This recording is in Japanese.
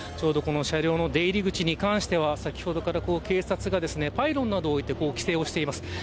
車両の出入り口に関しては先ほどから警察がパイロンなどを置いて規制しています。